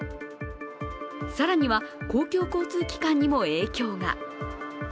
更には、公共交通機関にも影響が。